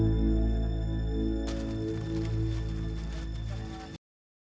ya gimana sih